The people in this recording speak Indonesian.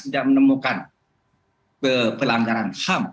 akan menemukan pelanggaran ham